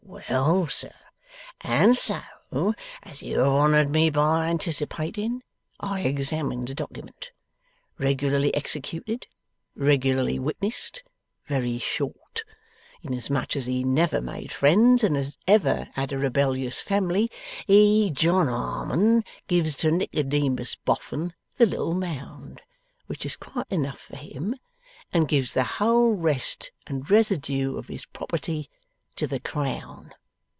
Well, sir. And so, as you have honoured me by anticipating, I examined the document. Regularly executed, regularly witnessed, very short. Inasmuch as he has never made friends, and has ever had a rebellious family, he, John Harmon, gives to Nicodemus Boffin the Little Mound, which is quite enough for him, and gives the whole rest and residue of his property to the Crown.